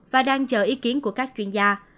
và đang chờ ý kiến của các chuyên gia